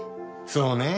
そうね。